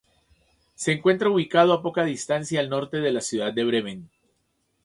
Se encuentra ubicado a poca distancia al norte de la ciudad de Bremen.